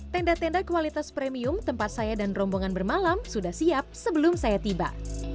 tenda tenda kualitas premium tempat saya dan rombongan bermalam sudah siap sebelum saya tiba